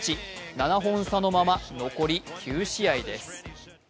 ７本差のまま残り９試合です。